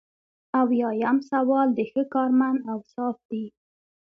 اویایم سوال د ښه کارمند اوصاف دي.